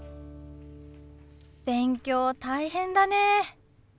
勉強大変だね。